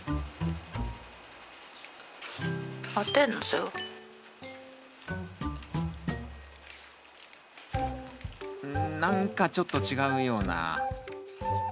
んなんかちょっと違うような。